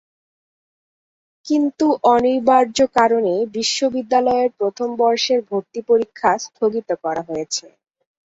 কিন্তু অনিবার্য কারণে বিশ্ববিদ্যালয়ের প্রথম বর্ষের ভর্তি পরীক্ষা স্থগিত করা হয়েছে।